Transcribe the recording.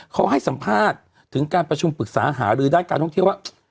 เขาให้สัมภาษณ์ถึงการประชุมปรึกษาหารือด้านการท่องเที่ยวว่า